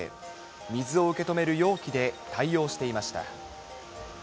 水を受け止める容器で対応していました。